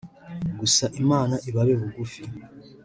gusa Imana ibabe bugufi